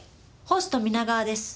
ホスト皆川です。